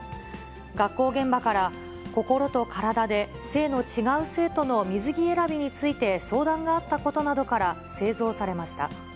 学校現場から、心と体で性の違う生徒の水着選びについて相談があったことなどから、製造されました。